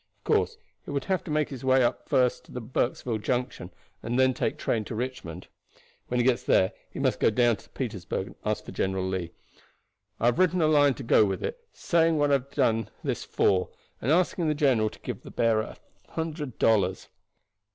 Of course he would have to make his way first up to Burksville junction, and then take train to Richmond. When he gets there he must go down to Petersburg, and ask for General Lee. I have written a line to go with it, saying what I have done this for, and asking the general to give the bearer a hundred dollars."